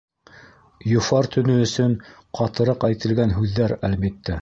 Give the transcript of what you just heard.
Йофар төнө өсөн ҡатыраҡ әйтелгән һүҙҙәр, әлбиттә.